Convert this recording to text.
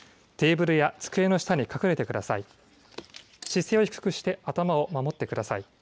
テーブルや机の下に隠れてください。